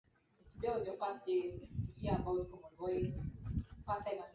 wafanyakazi walitakiwa kuwasaidia abiria kupanda boti